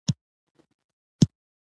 خلک نور شکایت نه غواړي.